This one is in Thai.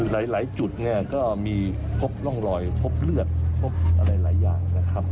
หลายจุดเนี่ยก็มีพบร่องรอยพบเลือดพบอะไรหลายอย่างนะครับ